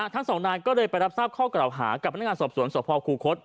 ท่าน๒นายก็เลยไปรับทราบข้อเกล่าหากับพนักงานสอบสวนสค